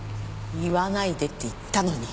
言わないでって言ったのに。